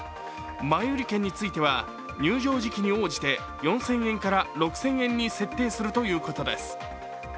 前売り券については入場時期に応じて４０００円から６０００円に設定するということです。